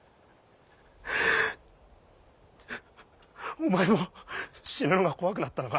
お前も死ぬのが怖くなったのか。